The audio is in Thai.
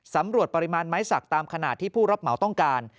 ปริมาณไม้สักตามขนาดที่ผู้รับเหมาต้องการ